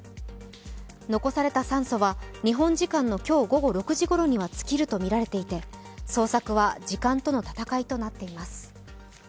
残された酸素は日本時間の今日午後６時ごろには尽きるとみられていて捜索は時間との戦いとなっています。